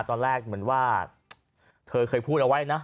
ตอนแรกเหมือนว่าเธอเคยพูดเอาไว้นะ